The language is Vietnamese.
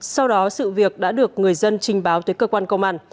sau đó sự việc đã được người dân trình báo tới cơ quan công an